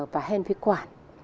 và hen phế quản